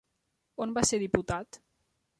On va ser diputat?